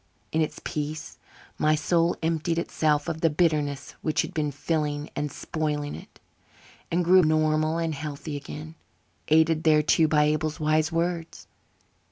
In its peace my soul emptied itself of the bitterness which had been filling and spoiling it, and grew normal and healthy again, aided thereto by Abel's wise words.